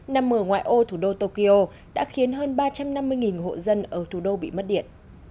nằm ở ngoài ô thủ đô tokyo đã khiến hơn ba trăm năm mươi hộ dân ở thủ đô bị mất điện